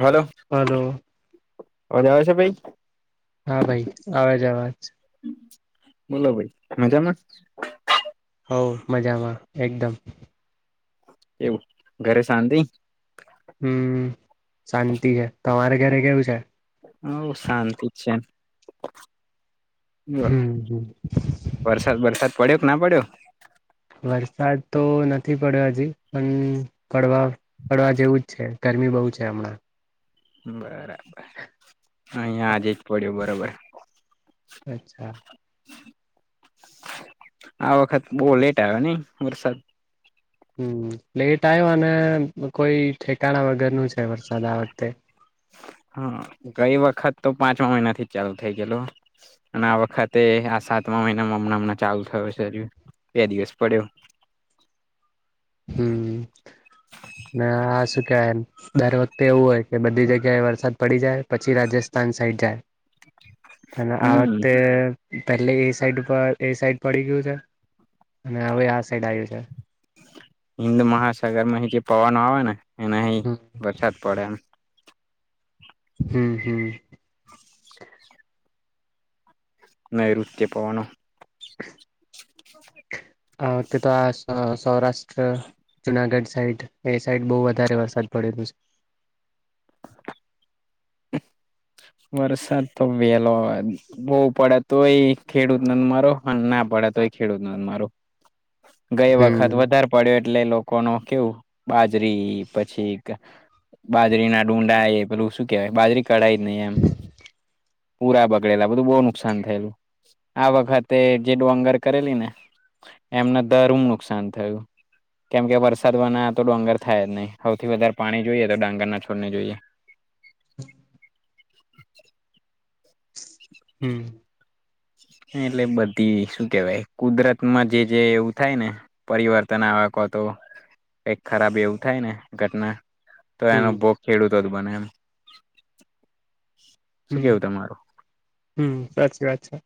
Hello hello અજ આવે છે ભાઈ હા ભાઈ આવેજવાજ બોલો ભાઈ મજામાં હો મજામાં એકદમ. એવું ઘરે સાંધી. હમ શાંતિ છે તમારે ઘરે કેવું છે. બ શાંતિ જ છે બ. હમ હમ વરસાદ વરસાદ પડ્યો કે ના પડ્યો. વરસાદ તો નથી પડ્યો હજી પણ પડવા. હડવા જેવું જ છે ગરમી બહુ છે હમણાં. બરાબર અહિયાં આજે જ પડ્યો બરોબર. અચ્છા. આ વખત બહ લેટ આવ નને વરસાદ. હમ લેટ આવ્યો અને કોઈ ઠેકાણા વગર નું છે વરસાદ આ વખતે. હા ગઈ વખત તો પાંચમા મહિના થી જ ચાલુ થઈ ગયેલ. અને આ વખતે આ સાતમા મહિનામાં હમણાં હમણાં ચાલુ થયો છે બે દિવસ પડ્યો. હમ આ શું કમ દરે વખતે એવું હોય. કે બધી જગ્યાએ વરસાદ પડી જાય પછી રાજસ્થાન સાઈડ જાય. ત આ હમ વખતે. પહેલે એ સાઈડ ઉપર એ સાઈડ પડી ગયું છે અને હવે આ સાઈડ આવ્યું છે. હિન્દ મહાસાગર માં અ જે પવનો આવે ને એના અ હમ વરસાદ પડે. હમ હમ. નઋચ્ય પોણ ત તો આ સ સૌરાષ્ટ્ર. જુનાગઢ સાઈડ એ સાઈડ બહુ વધારે વરસાદ પડેલ છે. વરસાદ તો વેલો. બહવ પડ તોય ખેડૂત ન મારો અને ના પડે તોય ખેડૂત ન મારો. ગઈ હમ વખત વધારે પડ્યો એટલે લોકો ન કેવું બાજરી પછી. બાજરી ના ડુંડા એ પેલું શું કેહેવાય બાજરી કઢાય નહી એમ. પૂરા બગડેલા બધું બહુ નુકસાન થયેું. આ વખતે જે ડોગર કરેલી ને એમના દર હ નુકસાન થયું. કેમ કે વરસાદવાના તો ડોંગર થાય જ નહીં સૌથી વધારે પાણી જોઈએ તો ડાંગર ના છોડને જોઈએ. હમ. એટલે બધી શું કેવાય કુદરત માં જે જે એવું થાય ને. પરિવર્તન આવેકો તો કઈ ખરાબ એવું થાય ને ઘટના. તો એનો હમ ભોગ ખેડૂતો જ બને એમ શું હમ કેવું તમારું. હમ સાચી વાત છે.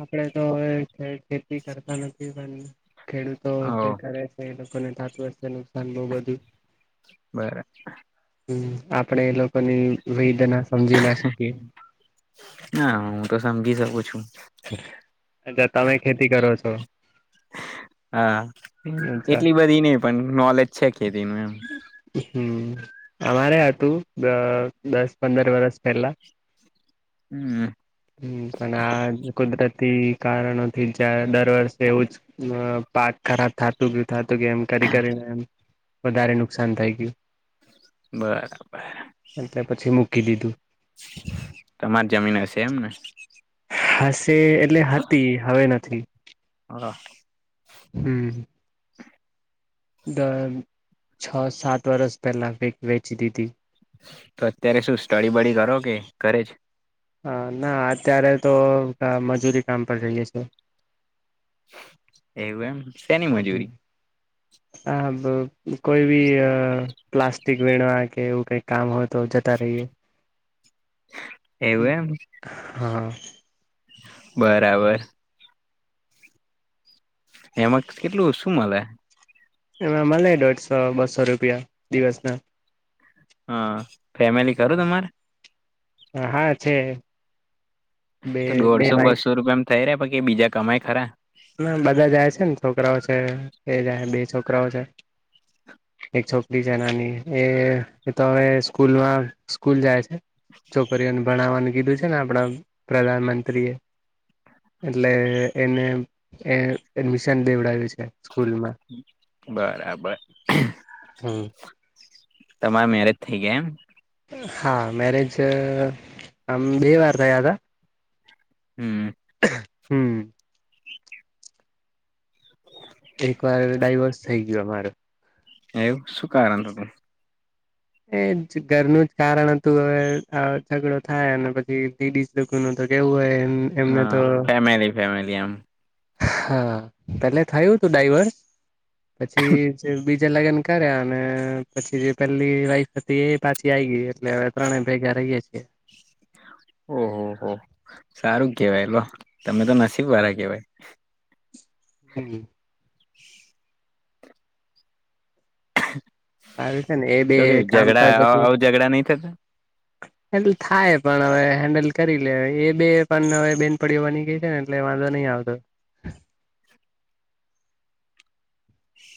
આપડે તો ખેતી કરતા નથી પણ ખેડૂતો હ જે કરે છે. એ લોકોને તાત વતા નુકસાન બહુ બધું. બરા. હમ આપણેે એ લોકોની વેદના સમજી ના શકીએ. ના હું તો સમજીજી શકું છું. અચછા તમે ખેતી કરો છો. હા અચ્છા એટલી બધી નહ પણ નોલેજ છે ખેતી ન એમ. હમ અમારે હતું દસ પંદર વરષ પહેલા. હમ. હમ પણ આ કુદરતી કારણો થી જંર. દર વર્ષે એવું જ પાક ખરાબ થતું ગયું થતું કે એમ કરી કરીને એમ. વધારે નુકસાન થઈ ગયું. બરા બર. એટલે પછી મૂકી દીધું. તમારી જમીન હશે એમ ને? હશે. એટલે હતી. હવે નથી. [inaudible] હમ! છો સાત વરસ પહેલાં વેચ દીધદી. તો અત્યારે શું સ્ટડી બડી કરો કે, ઘરે જ? હા! ના અત્યારે તો મજૂરી કામ પર જઈએ છે. એવું એમ. શેની મજૂરી? હા! કોઈ બી પ્લાસ્ટિક વેણવા કે એવું કઈક. કામ હોય તો જતા રહીએ. એવું એમ? હા! બરાબર. એમાં, કેટલું શું મળે? એમાં મળે દોઢસો, બસો રૂપિયા દિવસ ના. હા! ફેમિલી ખરું હા તમારે? હા છે. બે તો બે દોઢસો વાઈફ બસો રૂપિયા એમ થઈ રહ્યા. એ બીજા કમાય ખરા? ના બધા જાય છે ને. છોકરાઓ છે. એ જાય. બે છોકરાઓ છે. એક છોકરી છે નાની. એ તો હવે સ્કૂલમાં સ્કૂલ જાય છે. છોકરીઓ અને. ભણાવવાનું કીધું છે ને, આપણા પ્રધાનમંત્રી. એ એટલે એને એ એડમિશન દેવડાવ્યું છે સ્કૂલમાં. બરાબર. હમ! તમારા મેરેજ થઇ ગયા. એમ? હા! મેરેજ આમ બે વાર થયા હતા. હમ! હમ! એક વાર ડાઈવોર્સ થઈ ગયયો અમારો. એવું. શું કારણ હતો? એ જ ઘરનું જ કારણ હતું. હવે ઝઘડો થાય અને પીડીસી દુઃખ માં તો કેવું હોય એમ. એમને તો હા. ફેમલી ફેમલી આમ. હા! પેલે થયું હતું ડાઈવર્સ. પછી જે લગ્ન કર્યા. ને પછી જે પેલી વાઈફ હતી એ પાછી આ ગઈ. એટલે તણે ભેગા રહીએ છીએ. ઓહો હો. સારું કેહેવાય લો તમે તો નસીબ વાળા કેવાય. હમ! [inaudible] સારું છે ને એ બે તો કે કામ પર ઝઘડા, આવું ઝઘડા નહી થતા? એટલે થાય, પણ હવે હેન્ડલ કરી લે. એ બે પણ હવે બેન પડીઓ બની ગઈ છે ને. એટલે વાંધો નહીં આવતો.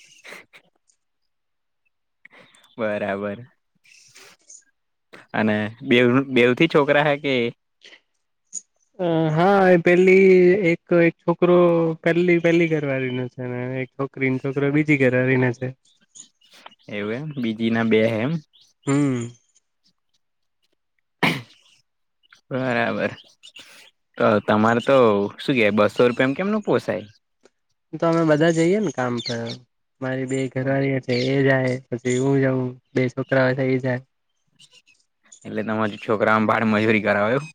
[inaudible] બરાબર. અને બે બેવથી છોકરા હા કે? અ હા. એ પેલી એક એક છોકરો પહેલી પહેલી ઘરવાળી છે ને એક છોક ક્રીમ છોક્ર બીજી ઘેરરીને છે. એવું એમ. બીજી ના બે એમ? હમ! બરાબર તો તમારે તો શું કેય બસો રૂપિયામા કેમનું પોસાય? તો અમે બધા જઈએ ને કામ પર મારી બે ઘરવાળી એ જાય પછી એવું જઉં બે છોકરા છે એ જાય એટલે તમારા છોકરાને બાળ મજૂરી કરાવો એમ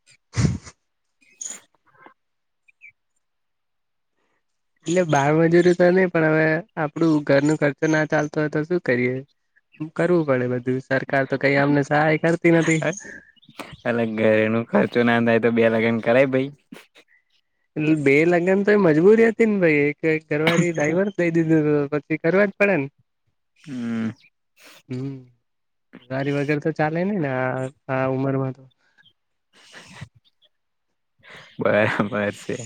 એટલે બાળમજૂરી તો નય પણ હવે આપડું ઘર ન ખર્ચો ના ચાલતો હોય તો શું કરીએ? કરવું પડે બધું સરકાર તો કઈ અમને સહાય કરતી નથી. અલ ઘરે ન ખર્ચો નાથાય તો બે લગન કરાય ભાઈ બે લગ્ન તો એ મજબૂરી હતી ને ભાઈ એક ઘરવાળી ડ્રાઈવર દઈ દીધું પછી કરવા જ પડે ને હમ હમ ગાડી વગર તો ચાલે નય ને આ ઉમરમાં તો બરાબર છે.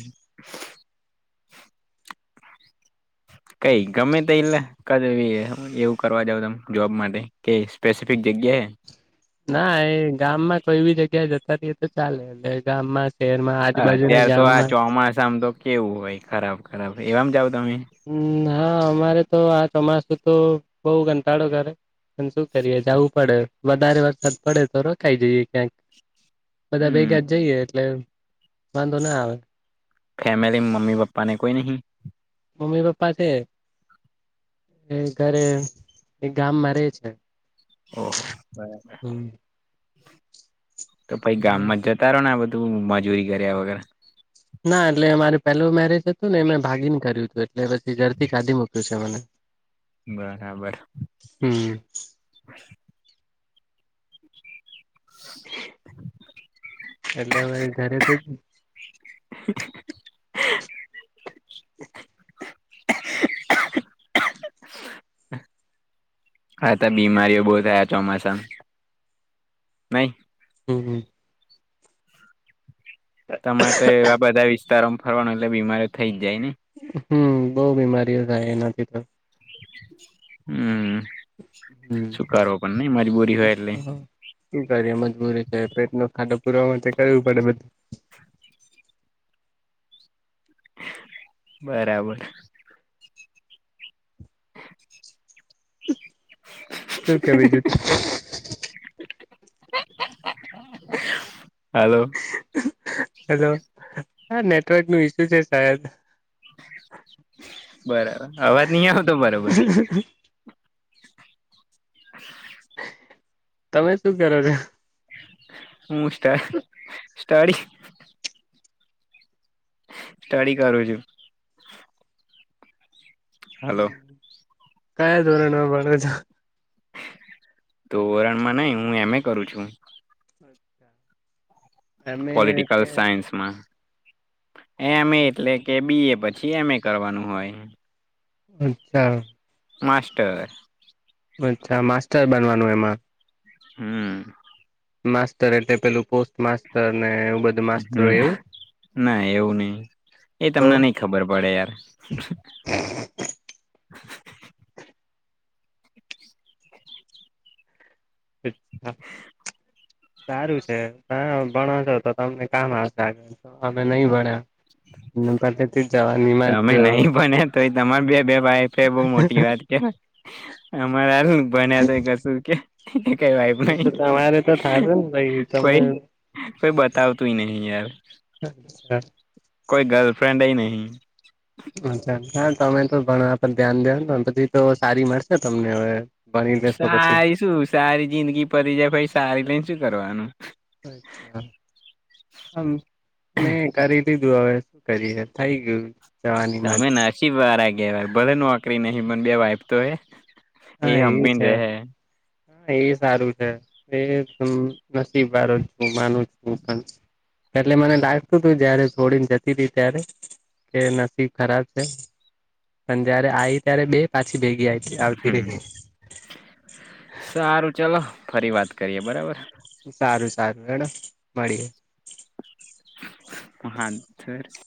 કઈ ગમે તય ઈલા કદ એવું કરવા દાવ તમે જોબ માટે કે સ્પેસિફિક જગ્યા એ ના એ ગામમાં કોઈ બી જગ્યા જતા રયે તો ચાલે એટલે ગામમાં શહેરમાં હ આજુબાજુના અત્યાર તો આ ગામમાં ચોમાસામ તો કેવું હોય ખરાબ ખરાબ એવામા જાવ તમે? હમ હા અમારે તો આ ચોમાસું તો બઉ ઘંટાડો કરે પણ શું કરીએ જવું પડે વધારે વરસાદ પડે તો રોકાય જઈએ ક્યાંક. બધા હમ ભેગાજ જઈએ એટલે વાંધો ના આવે. ફેમિલી મા મમ્મી પાપાને કોઈ નહીં? મમ્મી પપ્પા છે એ ઘરે એક ગામમાં રયે છે. ઓહ બરાબર હમ તો પછી ગામમાં જ તારો ને આ બધું મજૂરી કર્યા વગર ના એટલે મારે પેલું મેરેજ હતું ને એમે ભાગીન કર્યું હતું એટલે પછી ધરથી કાઢી મૂકી કશે મને બરાબર હમ હ [inaudible] એટલે હવે જ્યારે તો જ હ [unintelligible] હા તો બીમારીઓ બહુ થયા ચોમાસામાં નઈ હમ હમ તમારે તો એવા બધા વિસ્તારોમાં ફરવાનું એટલે બીમારી થઈ જાય નય હમ બઉ બીમારીઓ થાય એનાથી તો હમ હમ સુકારવો પણ નઈ મારી બોરી હોય એટલે હ શું કરીએ મજબૂરી છે પેટ નો ખાડો પુરવા માટે કરવું પડે બધું બરાબર [inaudible] શું કે બીજું તો હાલો હલો હા નેટવર્ક નું ઇસયુ છે સાયદ બરાબર અવાજ નહી આવતો બરાબર [inaudible] તમે શું કરો છો? હુ સ્ટડી સ્ટડી કરું છું. હલો હમ કયા ધોરણમાં ભણો છે? તો ધોરણમાં નઈ હું એમએ કરું છું. અચ્છા પોલિટિકલ સાયન્સ માં એમ એ એટલે કે બી એ પછી એમ એ કરવાનું હોય. અચ્છા. માસ્ટર, અચ્છા માસ્ટર બનવાનું એમાં હું. માસ્ટર એટલે પેલું પોસ્ટ માસ્ટર ને એવું બધું માસ્ટર હું એવું ના એવું નહીં એ તો તમને નહીં ખબર પડે યાર, અચ હા સારું છે, પણ ભણો છો, તો તમને કામ આવશે, આગળ અમે નહી ભણ્યા. એમ પણ. તમે નહીં ભણે તો એ તમાર બે બે ભઇફે બહ મોટી વાત કેવાય. અમારા ભન્યા તો કસૂર કે ને કઈયબુ જ તો નહીં તમારે તો થશે ને ભાઈ તમે કોઈ પઈ બતાવતુંય નહિ યાર, હા હા કોઈ ગર્લફ્રેન્ડ જ નહીં. અચ્છા હા તમે તો ભણવા પર ધ્યાન દયો પછી તો સારી મળશે તમને હવે ભણી લેશો પછી સારી શું સારી જિંદગી પરી જાય ભાઈ સારી લઈને શું કરવાનું, અચ્છા. અમ મેં કરી દીધું હવે શું કરીએ થઈ ગયું. જવાનીમાં તમે જ નસીબ વારા કેહેવાય ભલે નોકરી નહીં મને બે વાઈફ તો હે. એ હા હંપીને છે રેહે. હા એ સારું છે, એ નસીબ વા છું માનું છું. એટલે મને લાગતું તું જયારે થોડીને જતી હતી, ત્યારે કે નસીબ ખરાબ છે. પણ જયારે આઈ ત્યારે બે પાછી ભેગી આવતી હમ રહીતી. સારું ચલો ફરી વાત કરીએ બરાબર સારું સારું એે મળીએ. [unintelligible]